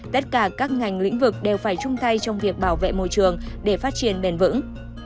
tất cả các ngành lĩnh vực đều phải chung tay trong việc bảo vệ môi trường để phát triển bền vững